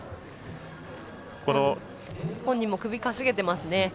本人も首かしげてますね。